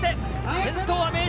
先頭は明治。